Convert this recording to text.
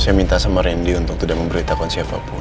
saya minta sama randy untuk tidak memberitahukan siapapun